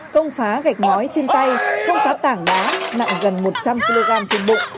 công phá gạch ngói trên tay không phá tảng đá nặng gần một trăm linh kg trên bụng